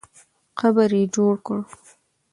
قبر یې جوړ کړه.